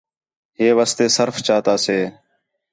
ہے واسطے سرف چاتا سے